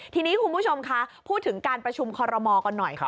ทีนี้คุณผู้ชมคะพูดถึงการประชุมคอรมอลกันหน่อย